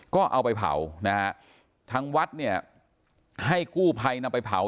ก็เอาไปเผานะฮะทางวัดเนี่ยให้กู้ภัยนำไปเผา